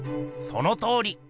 そのとおり！